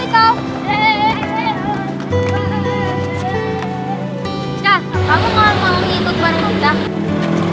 ya kamu mau ikut bareng kita